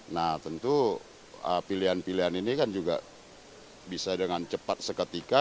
nah tentu pilihan pilihan ini kan juga bisa dengan cepat seketika